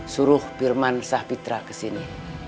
suruh firman sahpitra ke sini